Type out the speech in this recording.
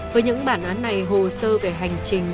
với những bản án này hồ sơ về hành trình